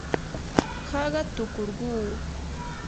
haqatukurquu.